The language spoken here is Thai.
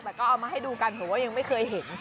แต่ก็เอามาให้ดูกันเพราะว่ายังไม่เคยเห็น